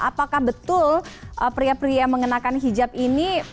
apakah betul pria pria yang mengenakan hijab ini